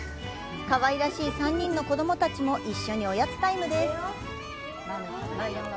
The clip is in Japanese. かわいらしい３人の子供たちも、一緒におやつタイムです。